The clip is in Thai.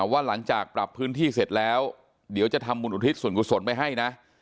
ว่าหลังจากปรับพื้นที่เสร็จแล้วเดี๋ยวจะทำบุญอุทิศส่วนกุศลไปให้นะ